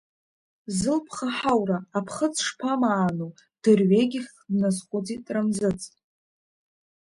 Зылԥха ҳаура, аԥхыӡ шԥамааноу, дырҩегьых дназхәыцит Рамзыц.